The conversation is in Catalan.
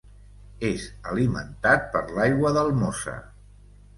És alimentat per l'aigua del Mosa.